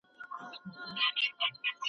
هره شېبه د انتظار پر تناره تېرېږي